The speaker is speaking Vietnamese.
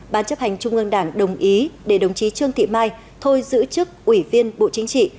ban chấp hành trung ương đảng đồng ý để đồng chí trương thị mai thôi giữ chức ủy viên bộ chính trị